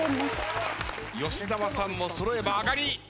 吉沢さんも揃えば上がり。